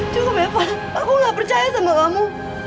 cukup ya fa aku gak percaya sama kamu